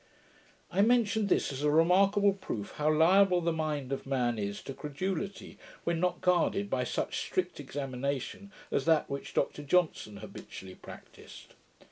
I mentioned this as a remarkable proof how liable the mind of man is to credulity, when not guarded by such strict examination as that which Dr Johnson habitually practised.